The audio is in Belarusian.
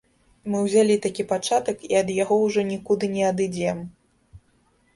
Мы ўзялі такі пачатак і ад яго ўжо нікуды не адыдзем.